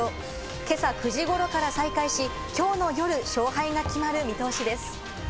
今朝９時頃から再開し、きょうの夜、勝敗が決まる見通しです。